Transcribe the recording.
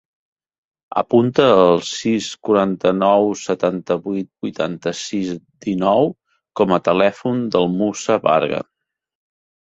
Apunta el sis, quaranta-nou, setanta-vuit, vuitanta-sis, dinou com a telèfon del Moussa Varga.